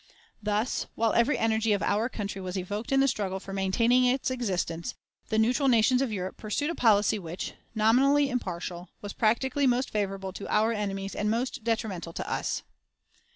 Thus, while every energy of our country was evoked in the struggle for maintaining its existence, the neutral nations of Europe pursued a policy which, nominally impartial, was practically most favorable to our enemies and most detrimental to us.